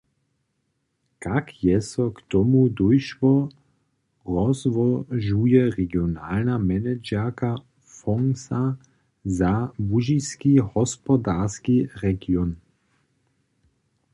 Kak je so k tomu dóšło, rozłožuje regionalna managerka fondsa za Łužiski hospodarski region.